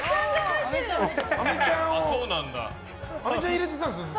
あめちゃん入れてたんですね